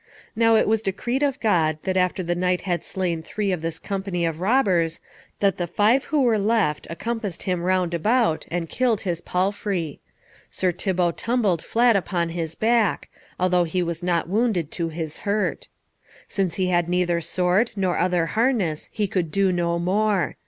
Now it was decreed of God that after the knight had slain three of this company of robbers, that the five who were left, encompassed him round about, and killed his palfrey. Sir Thibault tumbled flat upon his back, although he was not wounded to his hurt. Since he had neither sword nor other harness he could do no more.